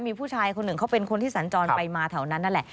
มีผู้ชายคนหนึ่งเขาเป็นคนที่สัญจรไปมาแถวนั้นนั่นแหละ